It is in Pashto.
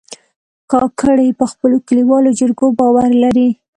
کاکړي په خپلو کلیوالو جرګو باور لري.